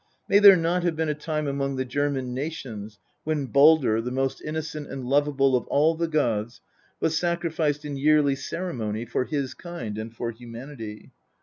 May there not have been a time among the German nations when Baldr, the most innocent and lovable of all the gods, was sacrified in yearly ceremony for his kind and for humanity